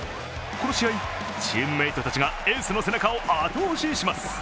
この試合、チームメートたちがエースの背中を後押しします。